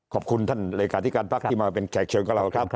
ขอบคุณท่านเลขาธิการพักที่มาเป็นแขกเชิญกับเราครับ